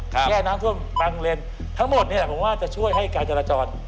แค่น้ำท่วมบางเลนทั้งหมดนี่แหละผมว่าจะช่วยให้การจราจร